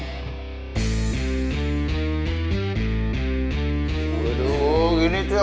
aduh gini cok